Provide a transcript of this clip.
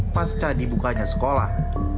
pasca dibukanya sekolah